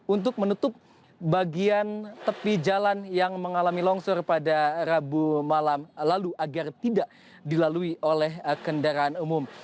untuk menutup bagian tepi jalan yang mengalami longsor pada rabu malam lalu agar tidak dilalui oleh kendaraan umum